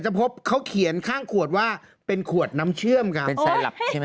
พบเขาเขียนข้างขวดว่าเป็นขวดน้ำเชื่อมกันเป็นไซลับใช่ไหม